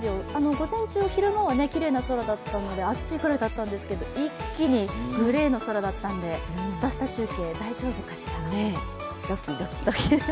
午前中昼間はきれいな空だったんですけど暑いくらいだったんですけど、一気にグレーの空だったので、「すたすた中継」、大丈夫かしら。